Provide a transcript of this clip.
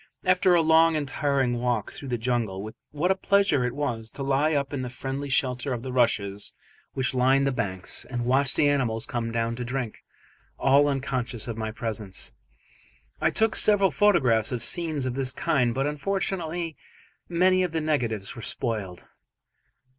After a long and tiring walk through the jungle what a pleasure it was to lie up in the friendly shelter of the rushes which line the banks, and watch the animals come down to drink, all unconscious of my presence. I took several photographs of scenes of this kind, but unfortunately many of the negatives were spoiled.